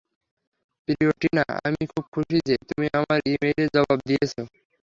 প্রিয় টিনা, আমি খুব খুশি যে, তুমি আমার ই-মেইলের জবাব দিয়েছো।